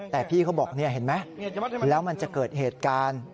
แต่พี่เขาบอกนี่เห็นไหมแล้วมันจะเกิดเหตุการณ์